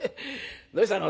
どうしたの？